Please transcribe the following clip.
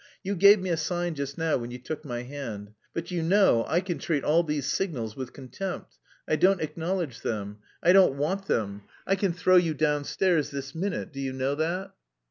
"You gave me a sign just now when you took my hand. But you know I can treat all these signals with contempt! I don't acknowledge them.... I don't want them.... I can throw you downstairs this minute, do you know that?"